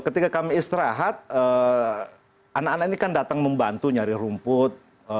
ketika kami istirahat anak anak ini kan datang membantu nyari rumput